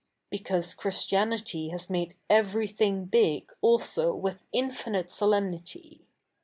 Be cause Christianity has made everything big also with infinite solem?iity.